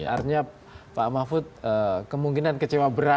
artinya pak mahfud kemungkinan kecewa berat